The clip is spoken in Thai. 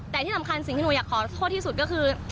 แต่ที่สำคัญสิ่งที่หนูอยากขอโทษที่สุดก็คือ